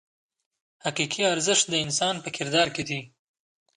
حقیقي ارزښت د انسان په کردار کې دی.